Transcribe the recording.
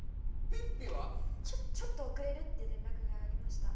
ピッピは⁉ちょちょっと遅れるって連絡がありました。